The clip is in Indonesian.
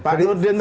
pak nurdin tadi